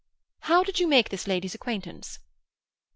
"How did you make this lady's acquaintance?"